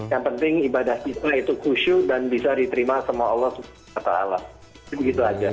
yang penting ibadah kita itu khusyuk dan bisa diterima sama allah swt